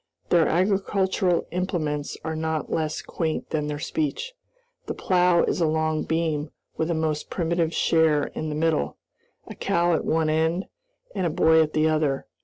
Their agricultural implements are not less quaint than their speech. The plow is a long beam with a most primitive share in the middle, a cow at one end, and a boy at the other.